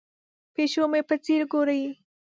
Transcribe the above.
پیشو مې په ځیر ګوري.